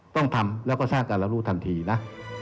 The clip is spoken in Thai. ต้องทำแล้วก็สร้างการรับรู้ทันทีนะ